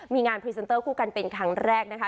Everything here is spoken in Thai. มีงานพรีเซนเตอร์คู่กันเป็นครั้งแรกนะคะ